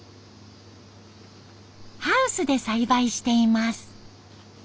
ハウスで栽培しています。